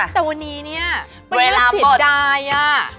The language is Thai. แต่วันนี้เนี่ยไม่ได้สิทธิ์ใดอะเวลาหมด